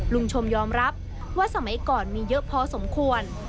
ลุงชมยอมรับว่าสมัยก่อนมีเยอะพอสมควร